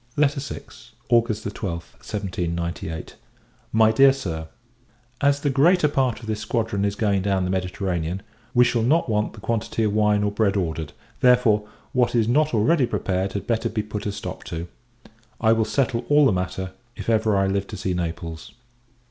VI. August 12th, 1798. MY DEAR SIR, As the greater part of this squadron is going down the Mediterranean, we shall not want the quantity of wine or bread ordered; therefore, what is not already prepared had better be put a stop to. I will settle all the matter, if ever I live to see Naples.